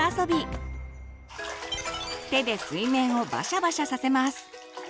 手で水面をバシャバシャさせます。